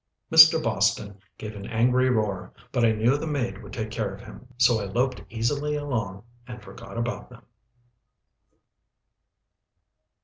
Mr. Boston gave an angry roar, but I knew the maid would take care of him, so I loped easily along and forgot about them.